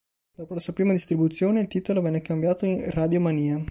Dopo la sua prima distribuzione il titolo venne cambiato in "Radio-Mania".